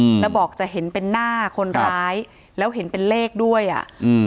อืมแล้วบอกจะเห็นเป็นหน้าคนร้ายแล้วเห็นเป็นเลขด้วยอ่ะอืม